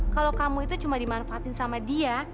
kalau kamu itu cuma dimanfaatin sama dia